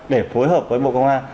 để phối hợp với bộ công an